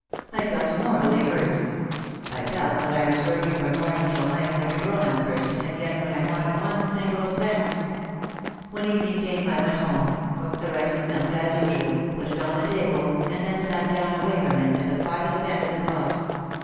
I felt mortally hurt. I felt that I was working from morning till night like a grown up person and yet when I wanted one single cent . When evening came I went home, cooked the rice and milk, as usual, put it on the table and then sat down away from it at the farthest end of the cot.